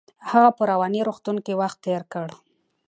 هغه په رواني روغتون کې وخت تیر کړ.